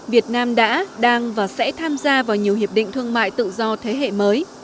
việt nam đã đang và sẽ tham gia vào nhiều hiệp định thương mại tự do thế hệ mới